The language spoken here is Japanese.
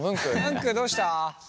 ムンクどうした？